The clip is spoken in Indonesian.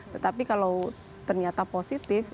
tetapi kalau ternyata positif